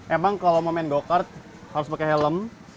emang kalau mau main go kart harus pakai helm